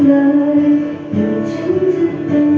ขวามือจากหลุกเข้าแถว